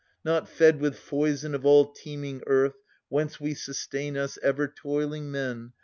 Not fed with foison of all teeming Earth Whence we sustain us, ever toiling men.